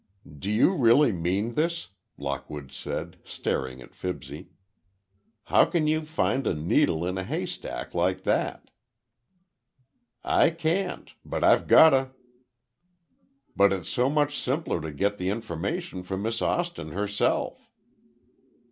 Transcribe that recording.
"Do you really mean this?" Lockwood said, staring at Fibsy. "How can you find a needle in a haystack, like that?" "I can't—but I've gotta." "But it's so much simpler to get the information from Miss Austin herself."